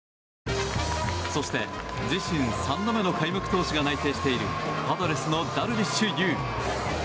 そして自身３度目の開幕投手が内定しているパドレスのダルビッシュ有。